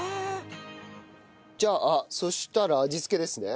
じゃあそしたら味付けですね。